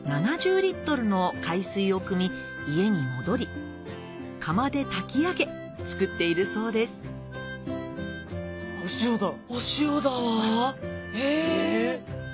７０の海水をくみ家に戻り釜で炊き上げ作っているそうですえ！